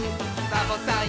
「サボさん